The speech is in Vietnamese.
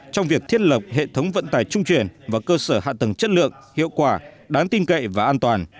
trong việc thiết lập hệ thống vận tải trung truyền và cơ sở hạ tầng chất lượng hiệu quả đáng tin cậy và an toàn